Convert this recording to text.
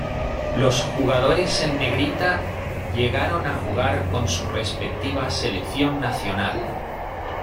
Los jugadores en Negrita llegaron a jugar con su respectiva selección nacional.